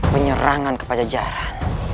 penyerangan kepada jaran